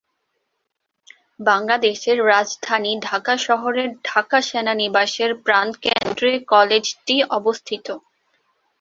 বাংলাদেশের রাজধানী ঢাকা শহরের ঢাকা সেনানিবাসের প্রাণকেন্দ্রে কলেজটি অবস্থিত।